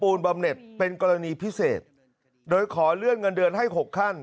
บำเน็ตเป็นกรณีพิเศษโดยขอเลื่อนเงินเดือนให้หกขั้น